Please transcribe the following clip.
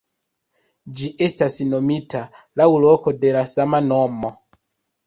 Ĝi estas nomita laŭ loko de la sama nomo.